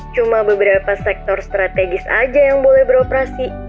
cuma beberapa sektor strategis aja yang boleh beroperasi